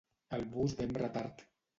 El bus ve amb retard.